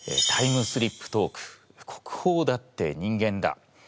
「タイムスリップトーク」「国宝だって人間だ！」